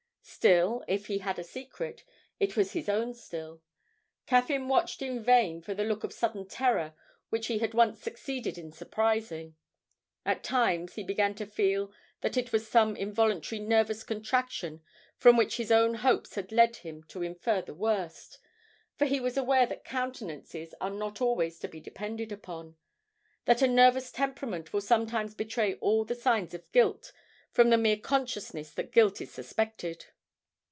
Still, if he had a secret, it was his own still. Caffyn watched in vain for the look of sudden terror which he had once succeeded in surprising. At times he began to fear that it was some involuntary nervous contraction from which his own hopes had led him to infer the worst, for he was aware that countenances are not always to be depended upon; that a nervous temperament will sometimes betray all the signs of guilt from the mere consciousness that guilt is suspected.